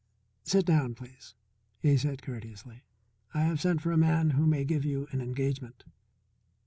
"Sit down, please," he said courteously. "I have sent for a man who may give you an engagement."